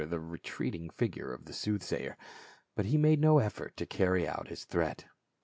275 the retreating figure of the soothsayer, but he made no effort to carry out his threat.